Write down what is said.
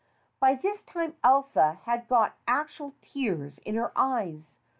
By this time Elsa had got actual tears in her eyes.